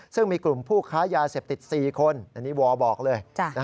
ซึ่งมีกลุ่มผู้ค้ายาเสพติด๔คนอันนี้วอบอกเลย